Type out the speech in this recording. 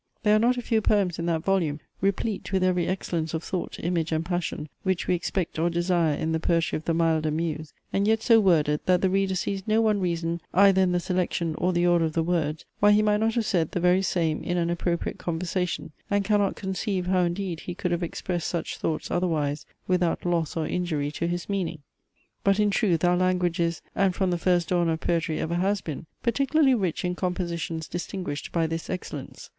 There are not a few poems in that volume, replete with every excellence of thought, image, and passion, which we expect or desire in the poetry of the milder muse; and yet so worded, that the reader sees no one reason either in the selection or the order of the words, why he might not have said the very same in an appropriate conversation, and cannot conceive how indeed he could have expressed such thoughts otherwise without loss or injury to his meaning. But in truth our language is, and from the first dawn of poetry ever has been, particularly rich in compositions distinguished by this excellence.